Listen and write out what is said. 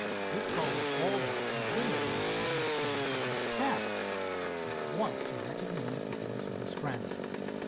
This call was bawled out from a window in the building Dave had just passed. At once he recognized the voice of his friend.